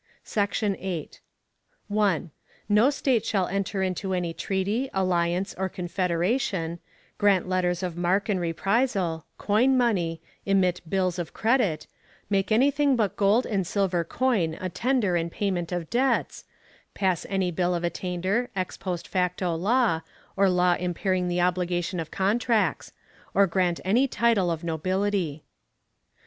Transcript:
Section 8. 1. No State shall enter into any treaty, alliance, or confederation; grant letters of marque and reprisal; coin money; emit bills of credit; make anything but gold and silver coin a tender in payment of debts; pass any bill of attainder, ex post facto law, or law impairing the obligation of contracts; or grant any title of nobility.